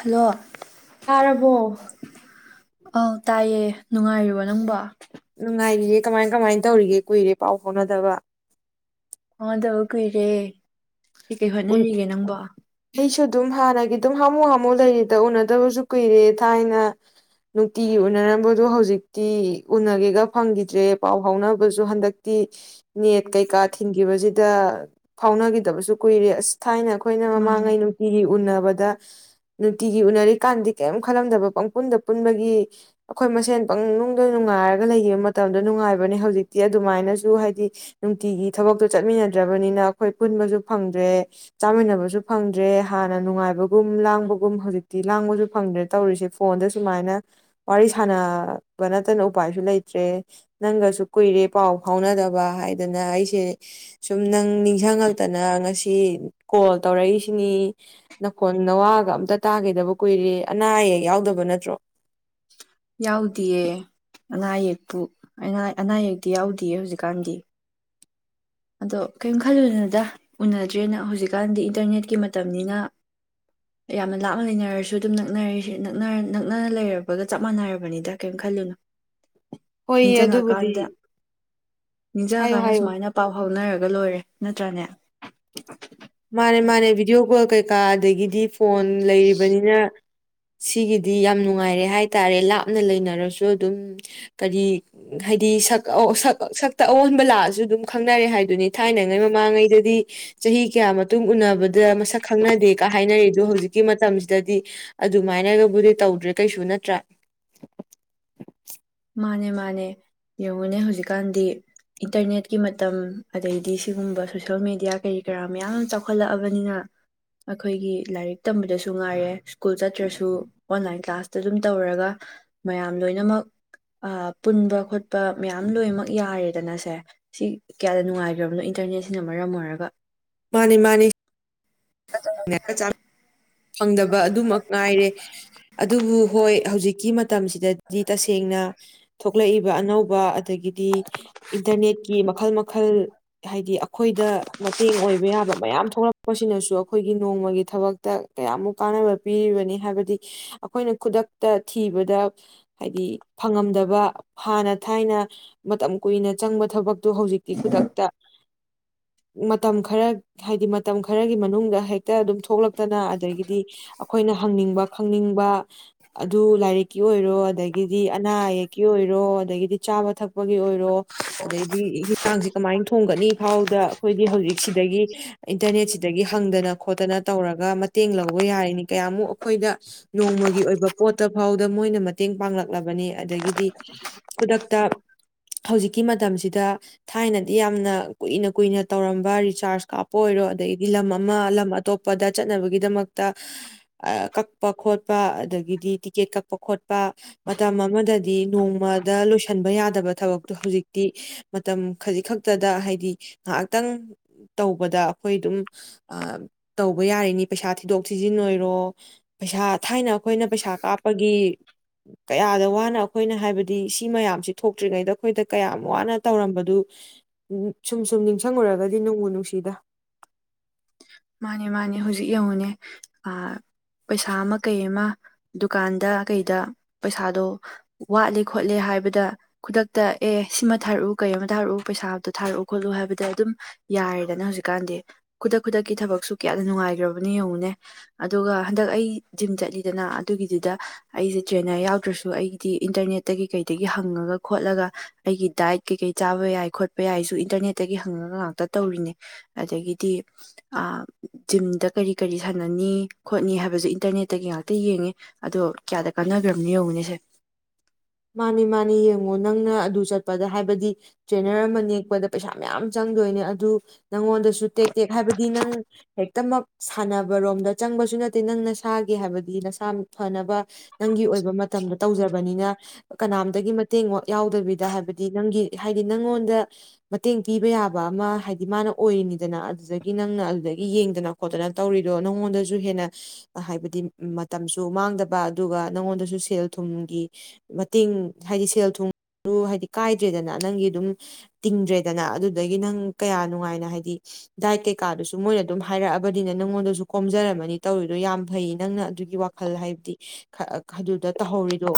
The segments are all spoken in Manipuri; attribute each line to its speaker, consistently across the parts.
Speaker 1: ꯍꯜꯂꯣ
Speaker 2: ꯇꯥꯔꯕꯣ
Speaker 1: ꯑ ꯇꯥꯏꯌꯦ ꯅꯨꯡꯉꯥꯏꯔꯤꯕ ꯅꯪꯕ
Speaker 2: ꯅꯨꯡꯉꯥꯏꯔꯤꯌꯦꯦ ꯀꯃꯥꯏ ꯀꯃꯥꯏꯅ ꯇꯧꯔꯤꯒꯦ ꯀꯨꯏꯔꯦ ꯄꯥꯎ ꯐꯥꯎꯅꯗꯕ꯫
Speaker 1: ꯐꯥꯎꯅꯗꯕꯗ ꯀꯔꯦ꯫ ꯀꯩ ꯀꯩ
Speaker 2: ꯎꯟ
Speaker 1: ꯍꯣꯠꯅꯔꯤꯒꯦ ꯅꯪꯕꯣ꯫
Speaker 2: ꯑꯩꯁꯨ ꯑꯗꯨꯝ ꯍꯥꯟꯅꯒꯤ ꯑꯗꯨꯝ ꯍꯥꯃꯨ ꯍꯥꯃꯨ ꯂꯩꯔꯤꯗ ꯎꯅꯗꯕꯁꯨ ꯀꯨꯏꯔꯦ ꯊꯥꯏꯅ ꯅꯨꯡꯇꯤꯒꯤ ꯎꯅꯔꯝꯕꯗꯨꯣ ꯍꯧꯖꯤꯛꯇꯤ ꯎꯅꯒꯦꯒ ꯐꯪꯈꯤꯗ꯭ꯔꯦ ꯄꯥꯎ ꯐꯥꯎꯅꯕꯁꯨ ꯍꯟꯗꯛꯇꯤ ꯅꯦꯠ ꯀꯩꯀꯥ ꯊꯤꯟꯈꯤꯕꯁꯤꯗ ꯐꯥꯎꯅꯈꯤꯗꯕꯁꯨ ꯀꯨꯏꯔꯥꯏ ꯊꯥꯏ ꯅ ꯑꯩꯈꯣꯏꯅ
Speaker 1: ꯃꯥꯅꯦ
Speaker 2: ꯃꯃꯥꯡꯉꯩ ꯅꯨꯡꯇꯤꯒꯤ ꯎꯅꯕ ꯅꯨꯡꯇꯤꯒꯤ ꯎꯅꯔꯤꯀꯥꯟꯗꯤ ꯀꯔꯤꯝ ꯈꯜꯂꯝꯗꯕ ꯄꯪꯄꯨꯟꯗ ꯄꯨꯟꯕꯒꯤ ꯑꯩꯈꯣꯏ ꯃꯁꯦꯟ ꯄꯪꯅꯨꯡꯗ ꯅꯨꯡꯉꯥꯏꯔꯒ ꯂꯩꯈꯤꯕ ꯃꯇꯝꯗ ꯅꯨꯡꯉꯥꯏꯕꯅꯦ ꯍꯧꯖꯤꯛꯇꯤ ꯑꯗꯨꯃꯥꯏꯅꯁꯨ ꯍꯥꯏꯗꯤ ꯅꯨꯡꯇꯤꯒꯤ ꯊꯕꯛꯇꯣ ꯆꯠꯃꯤꯟꯅꯗ꯭ꯔꯕꯅꯤꯅ ꯑꯩꯈꯣꯏ ꯄꯨꯟꯕꯁꯨ ꯐꯪꯗ꯭ꯔꯦ ꯆꯥꯃꯤꯟꯅꯕꯁꯨ ꯐꯪꯗ꯭ꯔꯦ ꯍꯥꯟꯅ ꯅꯨꯡꯉꯥꯏꯕꯒꯨꯝ ꯂꯥꯡꯕꯒꯨꯝ ꯍꯧꯖꯤꯛꯇꯤ ꯂꯥꯡꯕꯁꯨ ꯐꯪꯗ꯭ꯔꯦ ꯇꯧꯔꯤꯁꯦ ꯐꯣꯟꯗ ꯁꯨꯃꯥꯏꯅ ꯋꯥꯔꯤ ꯁꯥꯟꯅꯕ ꯅꯠꯇꯅ ꯎꯄꯥꯏꯁꯨ ꯂꯩꯇ꯭ꯔꯦ ꯅꯪꯒꯁꯨ ꯀꯨꯏꯔꯦ ꯄꯥꯎ ꯐꯥꯎꯅꯗꯕ ꯍꯥꯏꯗꯅ ꯑꯩꯁꯦ ꯁꯨꯝ ꯅꯪ ꯅꯤꯡꯁꯤꯡꯉꯛꯇ ꯑꯗꯨꯅ ꯉꯁꯤ ꯀꯣꯜ ꯇꯧꯔꯛꯏꯁꯤꯅꯤ ꯅꯈꯣꯟ ꯅꯋꯥꯒ ꯑꯝꯇ ꯇꯥꯒꯗꯕ ꯀꯨꯏꯔꯦ ꯑꯅꯥ ꯑꯌꯦꯛ ꯌꯥꯎꯗꯕ ꯅꯠꯇ꯭ꯔꯣ
Speaker 1: ꯌꯥꯎꯗꯌꯦ ꯑꯅꯥ ꯑꯌꯦꯛꯄꯨ ꯑ ꯑꯅꯥ ꯑꯌꯦꯛꯛꯇꯤ ꯌꯥꯎꯗꯌꯦ ꯍꯧꯖꯤꯛꯀꯥꯟꯗꯤ ꯑꯗꯣ ꯀꯔꯤꯝ ꯈꯜꯂꯨꯅꯣꯗ ꯎꯅꯗ꯭ꯔꯦꯅ ꯍꯧꯖꯤꯛꯀꯥꯟꯗꯤ ꯏꯟꯇꯔꯅꯦꯠꯀꯤ ꯃꯇꯝꯅꯤꯅ ꯌꯥꯝꯅ ꯂꯥꯞꯅ ꯂꯩꯅꯔꯁꯨ ꯑꯗꯨꯝ ꯅꯛꯅꯔꯤꯁ ꯅꯛꯅꯅ ꯂꯩꯔꯕꯒ ꯆꯞ ꯃꯥꯟꯅꯔꯕꯅꯤꯗ ꯀꯔꯤꯝ ꯈꯜꯂꯨꯅꯣ꯫
Speaker 2: ꯍꯣꯏꯌꯦ ꯑꯗꯨꯕꯨꯗꯤ ꯍꯥꯏꯌꯣ
Speaker 1: ꯅꯤꯡꯁꯤꯡꯉꯀꯥꯟꯗ
Speaker 2: ꯍꯥꯏꯌꯣ
Speaker 1: ꯁꯨꯃꯥꯏꯅ ꯄꯥꯎ ꯍꯧꯥꯎꯅꯔꯒ ꯂꯣꯏꯔꯦ ꯅꯠꯇ꯭ꯔꯥꯅꯦ
Speaker 2: ꯃꯥꯅꯦ ꯃꯥꯅꯦ ꯚꯤꯗꯤꯑꯣ ꯀꯣꯜ ꯀꯩꯀꯥ ꯑꯗꯒꯤꯗꯤ ꯐꯣꯟ ꯂꯩꯔꯤꯕꯅꯤꯅ ꯁꯤꯒꯤꯗꯤ ꯌꯥꯝ ꯅꯨꯡꯉꯥꯏꯔꯦ ꯍꯥꯏꯇꯥꯔꯦ ꯂꯥꯞꯅ ꯂꯩꯅꯔꯁꯨ ꯑꯗꯨꯝ ꯀꯔꯤ ꯍꯥꯏꯗꯤꯛ ꯁꯛꯇ ꯑꯑꯣꯟꯕ ꯂꯥꯛꯑꯁꯨ ꯑꯗꯨꯝ ꯈꯪꯅꯔꯦ ꯍꯥꯏꯗꯨꯅꯤ ꯊꯥꯏꯅꯉꯩ ꯃꯃꯥꯡꯉꯩꯗꯗꯤ ꯆꯍꯤ--꫰ ꯀꯌꯥ ꯑꯃ ꯎꯅꯕꯗ ꯃꯁꯛ ꯈꯪꯅꯗꯦꯒ ꯍꯥꯏꯅꯔꯔꯤꯦ ꯑꯗꯣ ꯍꯧꯖꯤꯛ ꯀꯤ ꯃꯇꯝꯁꯤꯗꯗꯤ ꯑꯗꯨꯃꯥꯏꯅꯒꯕꯨꯗꯤ ꯇꯧꯗ꯭ꯔꯦ ꯀꯩꯁꯨ ꯅꯠꯇ꯭ꯔꯥ
Speaker 1: ꯃꯥꯅꯦ ꯃꯥꯅꯦ ꯌꯦꯡꯉꯨꯅꯦ ꯍꯧꯖꯤꯛꯀꯥꯟꯗꯤ ꯏꯟꯇꯔꯅꯦꯠꯀꯤ ꯃꯇꯝ ꯑꯗꯩꯗꯤ ꯁꯤꯒꯨꯝꯕ ꯁꯣꯁꯦꯜ ꯃꯦꯗꯤꯌꯥ ꯀꯔꯤ ꯀꯔꯥ ꯃꯌꯥꯝ ꯆꯥꯎꯈꯠꯂꯛꯑꯕꯅꯤꯅ ꯑꯩꯈꯣꯏꯒꯤ ꯂꯥꯏꯔꯤꯛ ꯇꯝꯕꯗꯁꯨ ꯉꯥꯏꯔꯦ ꯁ꯭ꯀꯨꯜ ꯆꯠꯇ꯭ꯔꯁꯨ ꯑꯣꯟꯂꯥꯏꯟ ꯀ꯭ꯂꯥꯁꯇ ꯑꯗꯨꯝ ꯇꯧꯔꯒ ꯃꯌꯥꯝ ꯂꯣꯏꯅꯃꯛ ꯑ ꯄꯨꯟꯕ ꯈꯣꯠꯄ ꯃꯌꯥꯝ ꯂꯣꯏꯅꯃꯛ ꯌꯥꯔꯦꯗꯅ ꯁꯦ ꯁꯤ ꯀꯌꯥꯗ ꯅꯨꯡꯉꯥꯏꯈ꯭ꯔꯕꯅꯣ ꯏꯟꯇꯔꯅꯦꯠꯁꯤꯅ ꯃꯔꯝ ꯑꯣꯏꯔꯒ
Speaker 2: ꯃꯥꯅꯤ ꯃꯥꯅꯤ ꯉ ꯆ ꯐꯪꯗꯕ ꯑꯗꯨꯃꯛ ꯉꯥꯏꯔꯦ ꯑꯗꯨꯕꯨ ꯍꯣꯏ ꯍꯧꯖꯤꯛ ꯍꯧꯖꯤꯛꯀꯤ ꯃꯇꯝꯁꯤꯗꯗꯤ ꯇꯁꯦꯡꯅ ꯊꯣꯛꯂꯛꯏꯕ ꯑꯅꯧꯕ ꯑꯗꯒꯤꯗꯤ ꯏꯟꯇꯔꯅꯦꯠꯀꯤ ꯃꯈꯜ ꯃꯈꯜ ꯍꯥꯏꯗꯤ ꯑꯩꯈꯣꯏꯗ ꯃꯇꯦꯡ ꯑꯣꯏꯕ ꯌꯥꯕ ꯃꯌꯥꯝ ꯊꯣꯛꯂꯛ ꯄꯁꯤꯅꯁꯨ ꯑꯩꯈꯣꯏꯒꯤ ꯅꯣꯡꯃꯒꯤ ꯊꯕꯛꯇ ꯀꯌꯥꯃꯨꯛ ꯀꯥꯟꯅꯕ ꯄꯤꯔꯤꯕꯅꯤ ꯍꯥꯏꯕꯗꯤ ꯑꯩꯈꯣꯏꯅ ꯈꯨꯗꯛꯇ ꯊꯤꯕꯗ ꯍꯥꯏꯗꯤ ꯐꯪꯉꯝꯗꯕ ꯍꯥꯟꯅ ꯊꯥꯏꯅ ꯃꯇꯝ ꯀꯨꯏꯅ ꯆꯪꯕ ꯊꯕꯛ ꯑꯗꯨꯣ ꯍꯧꯖꯤꯛꯇꯤ ꯈꯨꯗꯛꯇ ꯃꯇꯝ ꯈꯔ ꯍꯥꯏꯗꯤ ꯃꯇꯝ ꯈꯔꯒꯤ ꯃꯅꯨꯡꯗ ꯍꯦꯛꯇ ꯑꯗꯨꯝ ꯊꯣꯛꯂꯛꯄ ꯠꯇꯅ ꯑꯗꯒꯤꯗꯤ ꯑꯩꯈꯣꯏꯅ ꯍꯪꯅꯤꯡꯕ ꯈꯪꯅꯤꯡꯕ ꯑꯗꯨ ꯂꯥꯏꯔꯤꯛꯀꯤ ꯑꯣꯏꯔꯣ ꯑꯗꯒꯤꯗꯤ ꯑꯅꯥ ꯑꯌꯦꯛꯀꯤ ꯑꯣꯏꯔꯣ ꯑꯗꯒꯤꯗꯤ ꯆꯥꯕ ꯊꯛꯄꯒꯤ ꯑꯣꯏꯔꯣ ꯑꯗꯩꯗꯤ ꯍ ꯆꯥꯡꯁꯤ ꯀꯃꯥꯏꯅ ꯊꯣꯡꯒꯅꯤ ꯐꯥꯎꯗ ꯑꯩꯈꯣꯏꯗꯤ ꯍꯧꯖꯤꯛꯁꯤꯗꯒꯤ ꯏꯟꯇꯔꯅꯦꯠꯁꯤꯗꯒꯤ ꯍꯪꯗꯅ ꯈꯣꯠꯇꯅ ꯇꯧꯔꯒ ꯃꯇꯦꯡ ꯂꯧꯕ ꯌꯥꯔꯤꯅꯤ ꯀꯌꯥꯃꯨꯛ ꯑꯩꯈꯣꯏꯗ ꯅꯣꯡꯃꯒꯤ ꯑꯣꯏꯕ ꯄꯣꯠꯇ ꯐꯥꯎꯗ ꯃꯣꯏꯅ ꯃꯇꯦꯡ ꯄꯥꯡꯂꯛꯂꯕꯅꯤ ꯑꯗꯒꯤꯗꯤ ꯈꯨꯗꯛꯇ ꯍꯧꯖꯤꯛꯀꯤ ꯃꯇꯝꯁꯤꯗ ꯊꯥꯏꯅꯗꯤ ꯌꯥꯝꯅ ꯀꯨꯏꯅ ꯀꯨꯏꯅ ꯇꯧꯔꯝꯕ ꯔꯤꯆꯥꯔꯖ ꯀꯥꯞꯄ ꯑꯣꯏꯔꯣ ꯑꯗꯒꯤꯗꯤ ꯂꯝ ꯑꯃ ꯂꯝ ꯑꯇꯣꯞꯄꯗ ꯆꯠꯅꯕꯒꯤꯗꯃꯛꯇ ꯀꯛꯄ ꯈꯣꯠꯄ ꯑꯗꯒꯤꯗꯤ ꯇꯤꯀꯦꯠ ꯀꯛꯄ ꯈꯣꯠꯄ ꯃꯇꯝ ꯑꯃꯗꯗꯤ ꯅꯣꯡꯃꯗ ꯂꯣꯏꯁꯤꯟꯕ ꯌꯥꯗꯕ ꯊꯕꯛꯇꯣ ꯍꯧꯖꯤꯛꯇꯤ ꯃꯇꯝ ꯈꯖꯤꯛ ꯈꯛꯇꯗ ꯍꯥꯏꯗꯤ ꯉꯥꯏꯍꯥꯛꯇꯪ ꯇꯧꯕꯗ ꯑꯩꯈꯣꯏ ꯑꯗꯨꯝ ꯇꯧꯕ ꯌꯥꯔꯤꯅꯤ ꯄꯩꯁꯥ ꯊꯤꯗꯣꯛ ꯊꯤꯖꯤꯟ ꯑꯣꯏꯔꯣ ꯄꯩꯁꯥ ꯊꯥꯏꯅ ꯑꯩꯈꯣꯏꯅ ꯄꯩꯁꯥ ꯀꯥꯞꯄꯒꯤ ꯀꯌꯥꯗ ꯋꯥꯅ ꯑꯩꯈꯣꯏꯅ ꯍꯥꯏꯕꯗꯤ ꯁꯤ ꯃꯌꯥꯝꯁꯤ ꯊꯣꯛꯇ꯭ꯔꯤꯉꯩꯗ ꯑꯩꯈꯣꯏꯗ ꯀꯌꯥꯝ ꯋꯥꯅ ꯇꯧꯔꯝꯕꯗꯨ ꯁꯨꯝ ꯁꯨꯝ ꯅꯤꯡꯁꯤꯡꯉꯨꯔꯒꯗꯤ ꯅꯣꯡꯖꯨ ꯅꯨꯡꯁꯤꯗ
Speaker 1: ꯃꯥꯅꯦ ꯃꯥꯅꯦ ꯍꯧꯖꯤꯛ ꯌꯦꯡꯉꯨꯅꯦ ꯑ ꯄꯩꯁꯥ ꯑꯃ ꯀꯩ ꯑꯃ ꯗꯨꯀꯥꯟꯗ ꯀꯩꯗ ꯄꯩꯁꯥꯗꯣ ꯋꯥꯠꯂꯦ ꯈꯣꯠꯂꯦ ꯍꯥꯏꯕꯗ ꯈꯨꯗꯛꯇ ꯑꯦ ꯁꯤꯃ ꯊꯥꯔꯛꯎ ꯀꯩ ꯑꯃ ꯊꯥꯔꯛꯎ ꯄꯩꯁꯥꯗꯣ ꯊꯥꯔꯛꯎ ꯈꯣꯠꯂꯨ ꯍꯥꯏꯕꯗ ꯑꯗꯨꯝ ꯌꯥꯔꯦꯗꯅ ꯍꯧꯖꯤꯛꯀꯥꯟꯗꯤ ꯈꯨꯗ ꯈꯨꯗꯛꯀꯤ ꯊꯕꯛꯁꯨ ꯀꯌꯥꯅ ꯅꯨꯡꯉꯥꯏꯈ꯭ꯔꯕꯅ ꯌꯦꯡꯉꯨꯅꯦ ꯑꯗꯨꯒ ꯍꯟꯗꯛ ꯑꯩ ꯖꯤꯝ ꯆꯠꯂꯤꯗꯅ ꯑꯗꯨꯒꯤꯗꯨꯗ ꯑꯩꯁꯦ ꯇ꯭ꯔꯦꯅꯔ ꯌꯥꯎꯗ꯭ꯔꯁꯨ ꯑꯩꯒꯤꯗꯤ ꯏꯟꯇꯔꯅꯦꯠꯇ ꯀꯩꯀꯩꯗꯒꯤ ꯍꯪꯉꯒ ꯈꯣꯠꯂꯒ ꯑꯩꯒꯤ ꯗꯥꯏꯠ ꯀꯩꯀꯩ ꯆꯥꯕ ꯌꯥꯏ ꯈꯣꯠꯄ ꯌꯥꯏꯁꯨ ꯏꯟꯇꯔꯅꯦꯠꯇꯒꯤ ꯍꯪꯉꯒ ꯉꯥꯛꯇ ꯇꯧꯔꯤꯅꯦ ꯑꯗꯒꯤꯗꯤ ꯖꯤꯝꯗ ꯀꯔꯤ ꯀꯔꯤ ꯁꯥꯟꯅꯅꯤ ꯈꯣꯠꯅꯤ ꯍꯥꯏꯕꯁ ꯏꯟꯇꯔꯅꯦꯠꯇꯒꯤ ꯉꯥꯛꯇ ꯌꯦꯡꯉꯤ ꯑꯗꯣ ꯀꯌꯥꯗ ꯀꯥꯟꯅꯈ꯭ꯔꯕꯅꯣ ꯌꯧꯒꯅꯤꯁꯦ
Speaker 2: ꯃꯥꯅꯤ ꯃꯥꯅꯤ ꯌꯦꯡꯉꯣ ꯅꯪꯅ ꯑꯗꯨ ꯆꯠꯄꯗ ꯍꯥꯏꯕꯗꯤ ꯇ꯭ꯔꯦꯅꯔ ꯑꯃ ꯅꯦꯛꯄꯗ ꯄꯩꯁꯥ ꯃꯌꯥꯝ ꯆꯪꯗꯣꯏꯅꯦ ꯑꯗꯨ ꯅꯪꯉꯣꯟꯗꯁꯨ ꯇꯦꯛ ꯇꯦꯛ ꯍꯥꯏꯕꯗꯤ ꯅꯪ ꯍ ꯛꯇꯃꯛ ꯁꯥꯟꯅꯕꯔꯣꯝꯗ ꯆꯪꯕꯁꯨ ꯅꯠꯇꯦ ꯅꯪ ꯅꯁꯥꯒꯦ ꯍꯥꯏꯕꯗꯤ ꯅꯁꯥ ꯐꯅꯕ ꯅꯪꯒꯤ ꯑꯣꯏꯕ ꯃꯇꯝꯗ ꯇꯧꯖꯕꯅꯤꯅ ꯀꯅꯥꯝꯗꯒꯤ ꯃꯇꯦꯡ ꯌꯥꯎꯗꯕꯤꯗ ꯍꯥꯏꯕꯗꯤ ꯅꯪꯒꯤ ꯍꯥꯏꯗꯤ ꯅꯪꯉꯣꯟꯗ ꯃꯇꯦꯡ ꯄꯤꯕ ꯌꯥꯕ ꯑꯃ ꯍꯥꯏꯗꯤ ꯃꯥꯅ ꯑꯣꯏꯔꯤꯅꯤꯗꯅ ꯑꯗꯨꯗꯒꯤ ꯅꯪꯅ ꯑꯗꯨꯗꯒꯤ ꯌꯦꯡꯗꯅ ꯈꯣꯠꯇꯅ ꯇꯧꯔꯤꯗꯣ ꯅꯪꯉꯣꯟꯗꯁꯨ ꯍꯦꯟꯅ ꯍꯥꯏꯕꯗꯤ ꯃꯇꯝꯁꯨ ꯃꯥꯡꯗꯕ ꯑꯗꯨꯒ ꯅꯪꯉꯣꯟꯗꯁꯨ ꯁꯦꯜ ꯊꯨꯝꯒꯤ ꯃꯇꯦꯡ ꯍꯥꯏꯗꯤ ꯁꯦꯜ ꯊꯨꯝꯗꯨ ꯍꯥꯏꯗꯤ ꯀꯥꯏꯗ꯭ꯔꯦꯗꯅ ꯅꯪꯒꯤ ꯑꯗꯨꯝ ꯇꯤꯡꯗ꯭ꯔꯦꯗꯅ ꯑꯗꯨꯗꯒꯤ ꯅꯪ ꯀꯌꯥ ꯅꯨꯡꯉꯥꯏꯅ ꯍꯥꯏꯗꯤ ꯗꯥꯏꯠ ꯀꯩꯀꯥꯗꯨꯁꯨ ꯃꯣꯏꯅ ꯑꯗꯨꯝ ꯍꯥꯏꯔꯛꯑꯕꯅꯤꯅ ꯅꯪꯉꯣꯟꯗꯁꯨ ꯀꯣꯝꯖꯔꯝꯃꯅꯤ ꯇꯧꯔꯤꯗꯣ ꯌꯥꯝ ꯐꯩ ꯅꯪꯅ ꯑꯗꯨꯒꯤ ꯋꯥꯈꯜ ꯍꯥꯏꯕꯗꯤ ꯑꯗꯨꯗ ꯇꯍꯧꯔꯤꯗꯨꯣ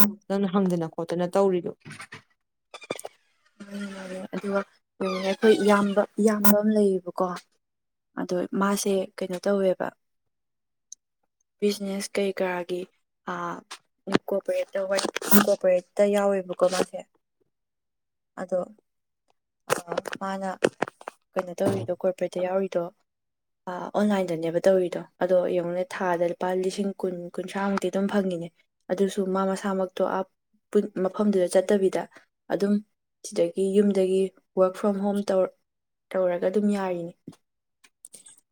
Speaker 2: ꯍꯪꯗꯅ ꯈꯣꯠꯇꯅ ꯇꯧꯔꯤꯗꯣ
Speaker 1: ꯦ ꯑꯗꯨꯒ ꯀ ꯑꯩꯈꯣꯏ ꯏꯌꯥꯝꯕ ꯏꯌꯥꯝꯕ ꯑꯃ ꯂꯩꯌꯦꯕꯀꯣ ꯑꯗꯣ ꯃꯥꯁꯦ ꯀꯩꯅꯣ ꯇꯧꯋꯦꯕ ꯕꯤꯖꯤꯅꯦꯁ ꯀꯩ ꯀꯔꯥꯒꯤ ꯀꯣꯑꯣꯄꯔꯦꯠ ꯇ ꯀꯣꯑꯣꯄꯔꯦꯠꯇ ꯌꯥꯎꯋꯦꯕꯀꯣ ꯃꯥꯁꯦ ꯑꯗꯣ ꯃꯥꯅ ꯀꯩꯅꯣ ꯇꯧꯔꯤꯗꯣ ꯀꯣꯔꯄꯔꯦꯠꯇ ꯌꯥꯎꯔꯤꯗꯣ ꯑꯣꯟꯂꯥꯏꯟꯗꯅꯦꯕ ꯇꯧꯔꯤꯗꯣ ꯑꯗꯣ ꯌꯦꯡꯉꯣꯅꯦ ꯊꯥꯗ ꯂꯨꯄꯥ ꯂꯤꯁꯤꯡ ꯀꯨꯟ ꯀꯨꯟꯊ꯭ꯔꯥꯃꯨꯛꯇꯤ ꯑꯗꯨꯝ ꯐꯪꯉꯤꯅꯦ ꯑꯗꯨꯁꯨ ꯃꯥ ꯃꯁꯥꯃꯛꯇꯣ ꯃꯐꯝꯗꯨꯗ ꯆꯠꯇꯕꯤꯗ ꯑꯗꯨꯝ ꯁꯤꯗꯒꯤ ꯌꯨꯝꯗꯒꯤ ꯔꯛ ꯐ꯭ꯔꯣꯝ ꯍꯣꯝ ꯇꯧ ꯇꯧꯔꯒ ꯑꯗꯨꯝ ꯌꯥꯔꯤꯅꯤ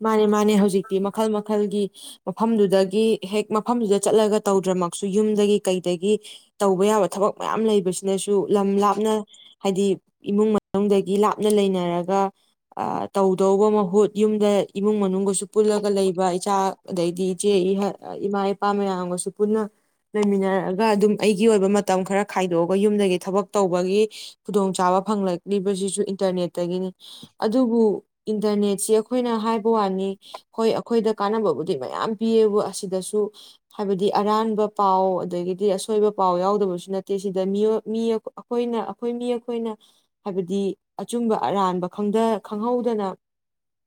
Speaker 2: ꯃꯥꯅꯦ ꯃꯥꯅꯦ ꯍꯧꯖꯤꯛꯇꯤ ꯃꯈꯜ ꯃꯈꯜꯒꯤ ꯃꯐꯝꯗꯨꯗꯒꯤ ꯍꯦꯛ ꯃꯐꯝꯗꯨꯗ ꯆꯠꯂꯒ ꯇꯧꯗ꯭ꯔꯃꯛꯁꯨ ꯌꯨꯝꯗꯒꯤ ꯀꯩꯗꯒꯤ ꯇꯧꯕ ꯌꯥꯕ ꯊꯕꯛ ꯃꯌꯥꯝ ꯂꯩꯕꯁꯤꯅꯁꯨ ꯂꯝ ꯂꯥꯞꯅ ꯍꯥꯏꯗꯤ ꯏꯃꯨꯡ ꯃꯅꯨꯡꯗꯒꯤ ꯂꯥꯞꯅ ꯂꯩꯅꯔꯒ ꯇꯧꯗꯧꯕ ꯃꯍꯨꯠ ꯌꯨꯝꯗ ꯏꯃꯨꯡ ꯃꯅꯨꯡꯒꯁꯨ ꯄꯨꯜꯂꯒ ꯂꯩꯕ ꯏꯆꯥ ꯑꯗꯩꯗꯤ ꯏꯆꯦ ꯏꯃꯥ ꯏꯄꯥ ꯃꯌꯥꯝꯒꯁꯨ ꯄꯨꯟꯅ ꯂꯩꯃꯤꯟꯅꯔꯑꯒ ꯑꯗꯨꯝ ꯑꯩꯒꯤ ꯑꯣꯏꯕ ꯃꯇꯝ ꯈꯔ ꯈꯥꯏꯗꯣꯛꯑꯒ ꯌꯨꯝꯗꯒꯤ ꯊꯕꯛ ꯇꯧꯕꯒꯤ ꯈꯨꯗꯣꯡꯆꯥꯥꯕ ꯐꯪꯂꯛꯂꯤꯕꯁꯤꯁꯨ ꯏꯟꯇꯔꯅꯦꯠꯇꯒꯤꯅꯤ ꯑꯗꯨꯕꯨ ꯏꯟꯇꯔꯅꯦꯠꯁꯤ ꯑꯩꯈ ꯑꯩꯈꯣꯏꯅ ꯍꯥꯏꯕ ꯋꯥꯅꯤ ꯍꯣꯏ ꯑꯩꯈꯣꯏꯗ ꯀꯥꯟꯅꯕꯕꯨꯗꯤ ꯃꯌꯥꯝ ꯄꯤꯌꯦꯕꯨ ꯑꯁꯤꯗꯁꯨ ꯍꯥꯏꯕꯗꯤ ꯑꯔꯥꯟꯕ ꯄꯥꯎ ꯑꯗꯒꯤꯗꯤ ꯑꯁꯣꯏꯕ ꯄꯥꯎ ꯌꯥꯎꯗꯕꯁꯨ ꯅꯠꯇꯦ ꯁꯤꯗ ꯑꯩꯈꯣꯏꯅ ꯑꯩꯈꯣꯏ ꯃꯤ ꯑꯩꯈꯣꯏꯅ ꯍꯥꯏꯕꯗꯤ ꯑꯆꯨꯝꯕ ꯑꯔꯥꯟꯕ ꯈꯪꯍꯧꯗꯅ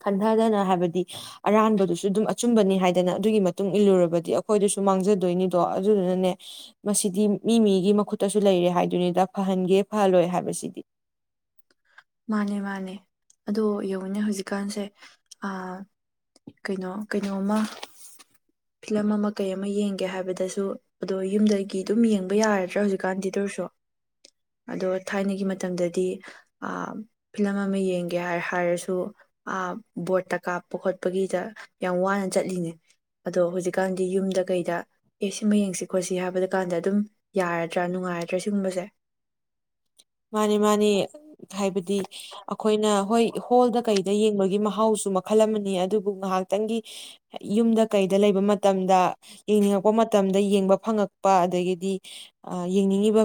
Speaker 2: ꯈꯟꯊꯗꯅ ꯍꯥꯏꯕꯗꯤ ꯑꯔꯥꯟꯕꯗꯨꯁꯨ ꯑꯗꯨꯝ ꯑꯆꯨꯝꯕꯅꯤ ꯍꯥꯏꯗꯅ ꯑꯗꯨꯒꯤ ꯃꯇꯨꯡ ꯏꯜꯂꯨꯔꯕꯗꯤ ꯑꯩꯈꯣꯏꯗꯁꯨ ꯃꯥꯡꯖꯗꯣꯏꯅꯤꯗꯣ ꯑꯗꯨꯗꯨꯅꯅꯦ ꯃꯁꯤꯗꯤ ꯃꯤ ꯃꯤꯒꯤ ꯃꯈꯨꯠꯇꯁꯨ ꯂꯩꯔꯦ ꯍꯥꯏꯗꯨꯣꯏꯅꯤꯗ ꯐꯍꯟꯒꯦ ꯐꯍꯜꯂꯣꯏ ꯍꯥꯏꯕꯁꯤꯗꯤ
Speaker 1: ꯃꯥꯅꯦ ꯃꯥꯅꯦ ꯑꯗꯣ ꯌꯦꯡꯉꯨꯅꯦ ꯍꯧꯖꯤꯛꯀꯥꯟꯁꯦ ꯀꯩꯅꯣ ꯀꯩꯅꯣꯝꯃ ꯐꯤꯂꯝ ꯑꯃ ꯀꯩ ꯑꯃ ꯌꯦꯡꯒꯦ ꯍꯥꯏꯕꯗꯁꯨ ꯑꯗꯣ ꯌꯨꯝꯗꯒꯤ ꯑꯗꯨꯝ ꯌꯦꯡꯕ ꯌꯥꯔꯗ꯭ꯔꯥ ꯍꯧꯖꯤꯛꯀꯥꯟꯗꯤ ꯇꯧꯔꯁꯨ ꯑꯗꯣ ꯊꯥꯏꯅꯒꯤ ꯃꯇꯝꯗꯗꯤ ꯐꯤꯂꯝ ꯑꯃ ꯌꯦꯡꯒꯦ ꯍꯥꯏꯔꯁꯨ ꯕꯣꯔꯠꯇ ꯀꯥꯞꯄ ꯈꯣꯠꯄꯒꯤꯗ ꯌꯥꯝ ꯋꯥꯅ ꯆꯠꯂꯤꯅꯦ ꯑꯗꯣ ꯍꯧꯖꯤꯛꯀꯥꯟꯗꯤ ꯌꯨꯝꯗ ꯀꯩꯗ ꯑꯦ ꯁꯤꯃ ꯌꯦꯡꯁꯤ ꯈꯣꯠꯁꯤ ꯍꯥꯏꯕꯗꯨ ꯀꯥꯟꯗ ꯑꯗꯨꯝ ꯌꯥꯔꯗ꯭ꯔꯥ ꯅꯨꯡꯉꯥꯏꯔꯗ꯭ꯔꯥ ꯁꯤꯒꯨꯝꯕꯁꯦ
Speaker 2: ꯃꯥꯅꯤ ꯃꯥꯅꯤ ꯍꯥꯏꯕꯗꯤ ꯑꯩꯈꯣꯏꯅ ꯍꯣꯏ ꯍꯣꯜꯗ ꯀꯩꯗ ꯌꯦꯡꯕꯒꯤ ꯃꯍꯥꯎꯁꯨ ꯃꯈꯜ ꯑꯃꯅꯤ ꯑꯗꯨꯕꯨ ꯉꯥꯏꯍꯥꯛꯇꯪꯒꯤ ꯌꯨꯝꯗ ꯀꯩꯗ ꯂꯩꯕ ꯃꯇꯝꯗ ꯌꯦꯡꯅꯤꯡꯉꯛꯄ ꯃꯇꯝꯗ ꯌꯦꯡꯕ ꯐꯪꯉꯛꯄ ꯑꯗꯒꯤꯗꯤ ꯌꯦꯡꯅꯤꯡꯉꯤꯕ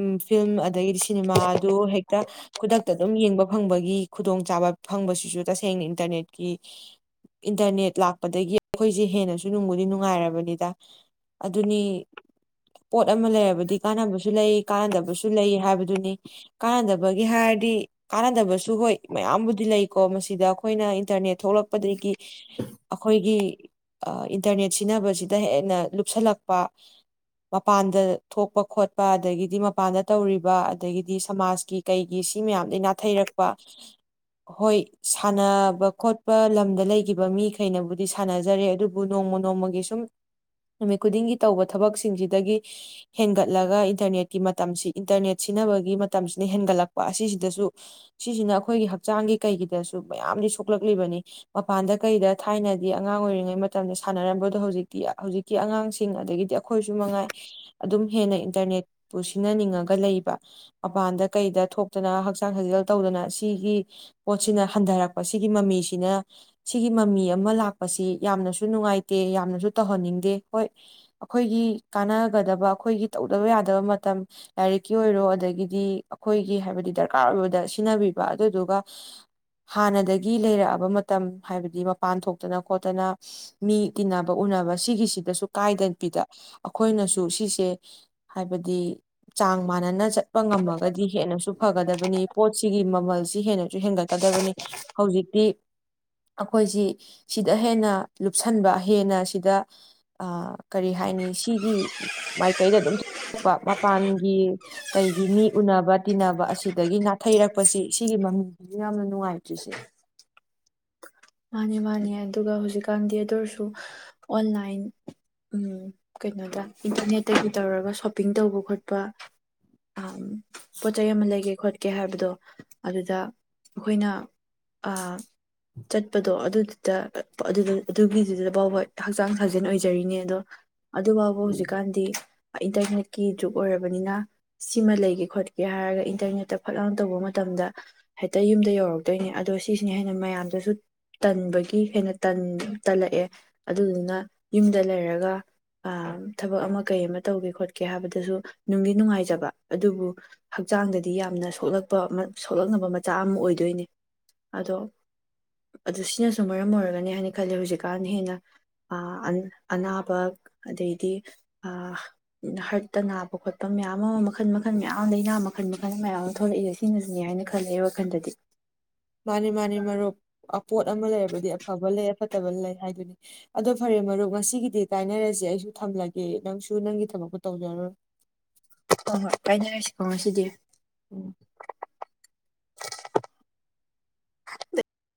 Speaker 2: ꯎ ꯐꯤꯂꯝ ꯑꯗꯒꯤꯗꯤ ꯁꯤꯅꯦꯃꯥ ꯑꯗꯨ ꯍꯦꯛꯇ ꯈꯨꯗꯛꯇ ꯑꯗꯨꯝ ꯌꯦꯡꯕ ꯐꯪꯕꯒꯤ ꯈꯨꯗꯣꯡꯆꯥꯥꯕ ꯐꯪꯕꯁꯤꯁꯨ ꯇꯁꯦꯡꯅ ꯏꯟꯇꯔꯅꯦꯠꯀꯤ ꯏꯟꯇꯔꯅꯦꯠ ꯂꯥꯛꯄꯗꯒꯤ ꯑꯩꯈꯣꯏꯁꯦ ꯍꯦꯟꯅꯁꯨ ꯅꯨꯡꯕꯨꯗꯤ ꯅꯨꯡꯉꯥꯏꯔꯕꯅꯤꯗ ꯑꯗꯨꯅꯤ ꯄꯣꯠ ꯑꯃ ꯂꯩꯔꯕꯗꯤ ꯀꯥꯟꯅꯕꯁꯨ ꯂꯩ ꯀꯥꯟꯅꯗꯕꯁꯨ ꯂꯩ ꯍꯥꯏꯕ ꯑꯗꯨꯅꯤ ꯀꯥꯟꯅꯗꯕꯒꯤ ꯍꯥꯏꯔꯗꯤ ꯀꯥꯟꯅꯗꯕꯁꯨ ꯍꯣꯏ ꯃꯌꯥꯝꯕꯨꯗꯤ ꯂꯩꯀꯣ ꯃꯁꯤꯗ ꯑꯩꯈꯣꯏꯅ ꯏꯟꯇꯔꯅꯦꯠ ꯊꯣꯛꯂꯛꯄꯗꯒꯤ ꯑꯩꯈꯣꯏꯒꯤ ꯏꯟꯇꯔꯅꯦꯠ ꯁꯤꯖꯤꯟꯅꯕꯁꯤꯗ ꯍꯦꯟꯅ ꯂꯨꯞꯁꯜꯂꯛꯄ ꯃꯄꯥꯟꯗ ꯊꯣꯛꯄ ꯈꯣꯠꯄ ꯑꯗꯒꯤꯗꯤ ꯃꯄꯥꯟꯗ ꯇꯧꯔꯤꯕ ꯑꯗꯒꯤꯗꯤ ꯁꯃꯥꯖꯀꯤ ꯀꯩꯒꯤ ꯁꯤ ꯃꯌꯥꯝꯗꯒꯤꯩ ꯅꯥꯊꯩꯔꯛꯄ ꯍꯣꯏ ꯁꯥꯟꯅꯕ ꯈꯣꯠꯄ ꯂꯝꯗ ꯂꯩꯈꯤꯕ ꯃꯤꯈꯩꯅꯕꯨꯗꯤ ꯁꯥꯟꯅꯖꯔꯦ ꯑꯗꯨꯕꯨ ꯅꯣꯡꯃ ꯅꯣꯡꯃꯒꯤ ꯁꯨꯝ ꯅꯨꯃꯤꯠ ꯈꯨꯗꯤꯡꯒꯤ ꯇꯧꯕ ꯊꯕꯛꯁꯤꯡꯁꯤꯗꯒꯤ ꯍꯦꯟꯒꯠꯂꯒ ꯏꯟꯇꯔꯅꯦꯠꯀꯤ ꯃꯇꯝꯁꯤ ꯏꯟꯇꯔꯅꯦꯠ ꯁꯤꯟꯅꯕꯒꯤ ꯃꯇꯝꯁꯤꯅ ꯍꯦꯟꯒꯠꯂꯛꯄ ꯑꯁꯤꯁꯤꯗꯁꯨ ꯁꯤꯁꯤꯅ ꯑꯩꯈꯣꯏꯒꯤ ꯍꯛꯆꯥꯡꯒꯤ ꯀꯩꯒꯤꯗꯁꯨ ꯃꯌꯥꯝꯗꯤ ꯁꯣꯛꯂꯛꯂꯤꯕꯅꯤ ꯃꯄꯥꯟꯗ ꯀꯩꯗ ꯊꯥꯏꯅꯗꯤ ꯑꯉꯥꯡ ꯑꯣꯏꯔꯤꯉꯩ ꯃꯇꯝꯗ ꯁꯥꯟꯅꯔꯝꯕꯗꯣ ꯍꯧꯖꯤꯛꯇꯤ ꯍꯧꯖꯤꯛꯇꯤ ꯑꯉꯥꯡꯁꯤꯡ ꯑꯗꯒꯤꯗꯤ ꯑꯩꯈꯣꯏꯁꯨ ꯃꯉꯥꯏ ꯑꯗꯨꯝ ꯍꯦꯟꯅ ꯏꯟꯇꯔꯅꯦꯠꯄꯨ ꯁꯤꯟꯅꯅꯤꯡꯉꯒ ꯂꯩ ꯃꯄꯥꯟꯗ ꯀꯩꯗ ꯊꯣꯛꯇꯅ ꯍꯛꯆꯥꯡ ꯁꯥꯖꯦꯜ ꯇꯧꯗꯅ ꯁꯤꯒꯤ ꯄꯣꯠꯁꯤꯅ ꯍꯟꯊꯔꯛꯄ ꯁꯤꯒꯤ ꯃꯃꯤꯁꯤꯅ ꯁꯤꯒꯤ ꯃꯃꯤ ꯑꯃ ꯂꯥꯛꯄꯁꯤ ꯌꯥꯝꯅꯁꯨ ꯅꯨꯡꯉꯥꯏꯇꯦ ꯌꯥꯝꯅꯁꯨ ꯇꯧꯍꯟꯅꯤꯡꯗꯦ ꯍꯣꯏ ꯑꯩꯈꯣꯏꯒꯤ ꯀꯥꯟꯅꯒꯗꯕ ꯑꯩꯈꯣꯏꯒꯤ ꯇꯧꯗꯕ ꯌꯥꯗꯕ ꯃꯇꯝ ꯂꯥꯏꯔꯤꯛ ꯀ ꯑꯣꯏꯔꯣ ꯑꯗꯒꯤꯗꯤ ꯑꯩꯈꯣꯏꯒꯤ ꯍꯥꯏꯕꯗꯤ ꯗꯔꯀꯥꯔ ꯑꯣꯏꯕꯗ ꯁꯤꯖꯤꯟꯅꯕꯤꯕ ꯑꯗꯨꯗꯨꯒ ꯍꯥꯟꯅꯗꯒꯤ ꯂꯩꯔꯛꯑꯕ ꯃꯇꯝ ꯍꯥꯏꯕꯗꯤ ꯃꯄꯥꯟ ꯊꯣꯛꯇꯅ ꯈꯣꯠꯇꯅ ꯃꯤ ꯇꯤꯟꯅꯕ ꯎꯅꯕ ꯁꯤꯒꯤꯁꯤꯗꯁꯨ ꯀꯥꯏꯗꯅꯕꯤꯗ ꯑꯩꯈꯣꯏꯅꯁꯨ ꯁꯤꯁꯦ ꯍꯥꯏꯕꯗꯤ ꯆꯥꯡ ꯃꯥꯟꯅꯅ ꯆꯠꯄ ꯉꯝꯃꯒꯗꯤ ꯍꯦꯟꯅꯁꯨ ꯐꯒꯗꯕꯅꯤ ꯄꯣꯠꯁꯤꯒꯤ ꯃꯃꯜꯁꯤ ꯍꯦꯟꯅꯁꯨ ꯍꯦꯟꯒꯠꯀꯗꯕꯅꯤ ꯍꯧꯖꯤꯛꯇꯤ ꯑꯩꯈꯣꯏꯁꯤ ꯁꯤꯗ ꯍꯦꯟꯅ ꯂꯨꯞꯁꯟꯕ ꯍꯦꯟꯅ ꯁꯤꯗ ꯀꯔꯤ ꯍꯥꯏꯅꯤ ꯁꯤꯒꯤ ꯃꯥꯏ ꯀꯩꯗ ꯑꯗꯨꯝ ꯃꯄꯥꯟ ꯀꯩꯒꯤ ꯃꯤ ꯎꯅꯕ ꯇꯤꯟꯅꯕ ꯑꯁꯤꯗꯒꯤ ꯅꯥꯊꯩꯔꯛꯄꯁꯤ ꯁꯤꯒꯤ ꯃꯃꯤꯡꯁꯤꯁꯨ ꯌꯥꯝꯅ ꯅꯨꯡꯉꯥꯏꯇ꯭ꯔꯤꯁꯦ
Speaker 1: ꯃꯥꯅꯤ ꯃꯥꯅꯦ ꯑꯗꯨꯒ ꯍꯧꯖꯤꯛꯀꯥꯟꯗꯤ ꯑꯗꯨ ꯑꯣꯏꯔꯁꯨ ꯑꯣꯟꯂꯥꯏꯟ ꯎ ꯀꯩꯅꯣꯗ ꯏꯟꯇꯔꯅꯦꯠ ꯇꯩꯩꯁꯨ ꯇꯔ ꯁꯣꯄꯤꯡ ꯇꯧꯕ ꯈꯣꯠꯄ ꯄꯥ ꯑ ꯄꯣꯠ ꯆꯩ ꯑꯃ ꯂꯩꯒꯦ ꯈꯣꯠ ꯀꯦ ꯍꯥꯏꯕꯗꯣ ꯑꯗꯨꯗ ꯑꯩꯈꯣꯏꯅ ꯆꯠꯄꯗꯣ ꯑꯗꯨꯗꯨꯗ ꯑꯗꯨꯒꯤ ꯁꯤꯗ ꯐꯥꯎꯕ ꯍꯛꯆꯥꯡ ꯐꯖꯦꯟ ꯑꯣꯏꯖꯔꯤꯅꯦ ꯑꯗꯣ ꯑꯗꯨ ꯐꯥꯎꯕ ꯍꯧꯖꯤꯛꯀꯥꯟꯗꯤ ꯏꯟꯇꯔꯅꯦꯠꯀꯤ ꯖ꯭ꯔꯨꯛ ꯑꯣꯏꯔꯕꯅꯤꯅ ꯁꯤꯃ ꯂꯩꯒꯦ ꯈꯣꯠꯀꯦ ꯍꯥꯏꯔꯒ ꯏꯟꯇꯔꯅꯦꯠꯇ ꯐꯠꯂꯅ ꯇꯧꯕ ꯃꯇꯝꯗ ꯍꯦꯛꯇ ꯌꯨꯝꯗ ꯌꯧꯔꯛꯇꯣꯏꯅꯦ ꯑꯗꯣ ꯁꯤꯁꯤꯅ ꯍꯦꯟꯅ ꯃꯌꯥꯝꯗꯁꯨ ꯇꯟꯕꯒꯤ ꯍꯦꯟꯅ ꯇꯜꯂꯛꯑꯦ ꯑꯗꯨꯗꯨꯅ ꯌꯨꯝꯗ ꯂꯩꯔꯒ ꯊꯕꯛ ꯑꯃ ꯀꯩ ꯑꯃ ꯇꯧꯒꯦ ꯈꯣꯠꯀꯦ ꯍꯥꯏꯕꯗꯁꯨ ꯅꯨꯡꯒꯤ ꯅꯨꯡꯉꯥꯏꯖꯕ ꯑꯗꯨꯕꯨ ꯍꯛꯆꯥꯡꯗꯗꯤ ꯌꯥꯝꯅ ꯁꯣꯛꯂꯛꯄ ꯁꯣꯛꯂꯛꯅꯕ ꯃꯆꯥꯛ ꯑꯃ ꯑꯣꯏꯗꯣꯏꯅꯦ ꯑꯗꯣ ꯑꯗꯨ ꯁꯤꯅꯁꯨ ꯃꯔꯝ ꯑꯣꯏꯔꯒꯅꯤ ꯍꯥꯏꯅ ꯈꯜꯂꯦ ꯍꯧꯖꯤꯛꯀꯥꯟ ꯍꯦꯟꯅ ꯑꯅꯥꯕ ꯑꯗꯩꯗꯤ ꯍꯔꯠꯇ ꯅꯥꯕ ꯈꯣꯠꯄ ꯃꯌꯥꯝ ꯑꯃ ꯃꯈꯜ ꯃꯈꯜ ꯃꯌꯥꯝ ꯑꯃ ꯂꯩꯅꯥ ꯃꯈꯜ ꯃꯈꯜ ꯃꯌꯥꯝ ꯑꯃ ꯊꯣꯛꯂꯛꯏꯁꯦ ꯁꯤꯅꯁꯨꯅꯦ ꯍꯥꯏꯅ ꯈꯜꯂꯦ ꯋꯥꯈꯜꯗꯗꯤ
Speaker 2: ꯃꯥꯅꯤ ꯃꯥꯅꯤ ꯃꯥ ꯔꯣꯛ ꯄꯣꯠ ꯑꯃ ꯂꯩꯔꯕꯗꯤ ꯑꯐꯕ ꯂꯩ ꯑꯐꯠꯇꯕ ꯂꯩ ꯍꯥꯏꯗꯨꯅꯤ ꯑꯗꯣ ꯐꯔꯦ ꯃꯔꯨꯞ ꯉꯁꯤꯒꯤꯗꯤ ꯀꯥꯏꯅꯔꯁꯦ ꯑꯩꯁꯨ ꯊꯝꯂꯒꯦ ꯅꯪꯁꯨ ꯅꯪꯒꯤ ꯊꯕꯛꯛꯇꯨ ꯇꯧꯖꯔꯔꯣꯏ
Speaker 1: ꯍꯣꯏ ꯍꯣꯏ ꯄꯥꯏꯅꯔꯁꯤꯀꯣ ꯉꯁꯤꯗꯤ
Speaker 2: ꯎꯝ
Speaker 1: [inaudible]